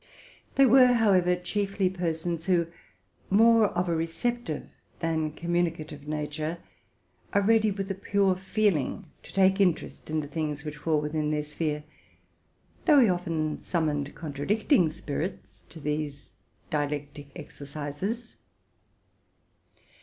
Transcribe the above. They were, however, chiefly persons who, more of a receptive than communicative nature, are ready with a pure feeling to take interest in the things which fall within their sphere ; though he often summoned contradicting spirits to these dialectic exercises.